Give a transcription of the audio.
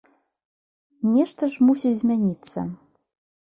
Нешта ж мусіць змяніцца.